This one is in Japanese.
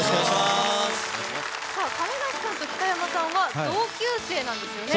亀梨さんと北山さんは同級生なんですよね？